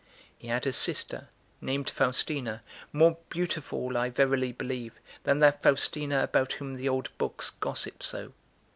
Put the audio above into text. He had a sister, named Faustina, more beautiful, I verily believe, than that Faustina about whom the old books gossip so.